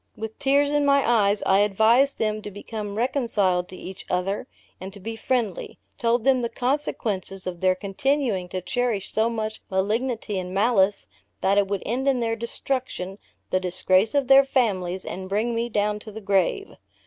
With tears in my eyes, I advised them to become reconciled to each other, and to be friendly; told them the consequences of their continuing to cherish so much malignity and malice, that it would end in their destruction, the disgrace of their families, and bring me down to the grave.